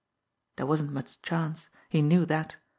There wasn't much chance. He knew that.